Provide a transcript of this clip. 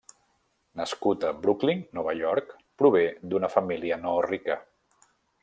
Nascut a Brooklyn, Nova York, prové d'una família no rica.